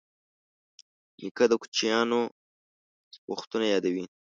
نیکه د کوچیانو وختونه یادوي.